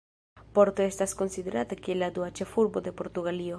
Porto estas konsiderata kiel la dua ĉefurbo de Portugalio.